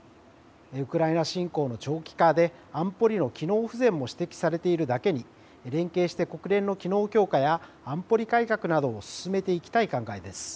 ウクライナ侵攻の長期化で安保理の機能不全も指摘されているだけに、連携して国連の機能強化や、安保理改革などを進めていきたい